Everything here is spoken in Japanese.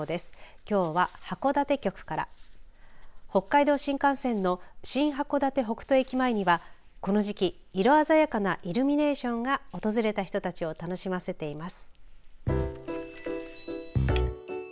きょうは函館局から北海道新幹線の新函館北斗駅前にはこの時期、色鮮やかなイルミネーションが訪れた人たちを楽しませています。